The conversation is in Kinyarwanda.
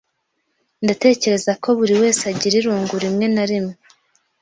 Ndatekereza ko buriwese agira irungu rimwe na rimwe.